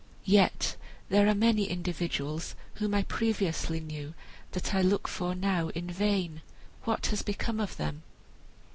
Yet there are many individuals whom I previously knew, that I look for now in vain. What has become of them?"